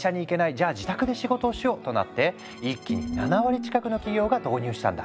じゃ自宅で仕事をしよう！」となって一気に７割近くの企業が導入したんだ。